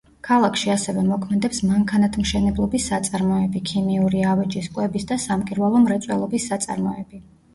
ქალაქში ასევე მოქმედებს მანქანათმშენებლობის საწარმოები, ქიმიური, ავეჯის, კვების და სამკერვალო მრეწველობის საწარმოები.